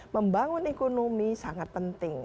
membangun ekonomi sangat penting